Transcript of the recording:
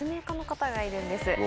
家の方がいるんです。